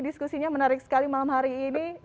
diskusinya menarik sekali malam hari ini